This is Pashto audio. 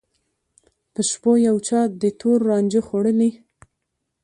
په شپو یو چا دي تور رانجه خوړلي